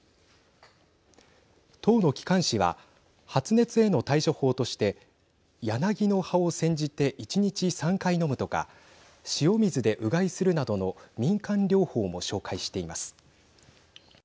党の機関紙は発熱への対処法としてヤナギの葉をせんじて１日３回飲むとか塩水で、うがいするなどの民間療法も紹介しています。